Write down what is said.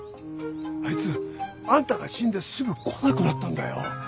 あいつあんたが死んですぐ来なくなったんだよ。